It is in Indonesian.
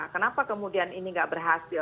kenapa kemudian ini tidak berhasil